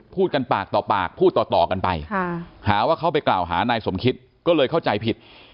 พูดกันปากต่อปากพูดต่อกันไปหาว่าเขาไปกล่าวหานายสมคิดก็เลยเข้าใจผิด